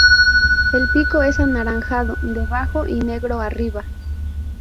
El pico es anaranjado debajo y negro arriba.